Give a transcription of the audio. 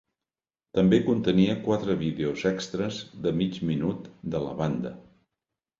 També contenia quatre vídeos extres de mig minut de la banda.